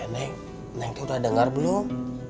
neng neng teg udah dengar belum